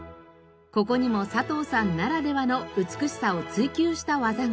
ここにも佐藤さんならではの美しさを追求した技が。